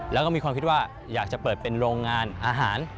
แล้วก็มีความคิดว่าอยากจะเปิดเป็นโรงงานอาหาร